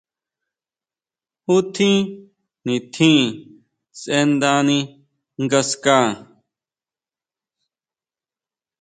¿Ju tjín nitjín sʼendani ngaská?